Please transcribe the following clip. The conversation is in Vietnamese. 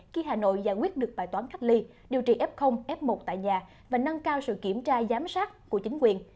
khi hà nội giải quyết được bài toán cách ly điều trị f f một tại nhà và nâng cao sự kiểm tra giám sát của chính quyền